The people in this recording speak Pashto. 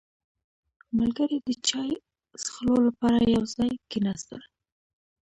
• ملګري د چای څښلو لپاره یو ځای کښېناستل.